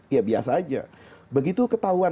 ya biasa aja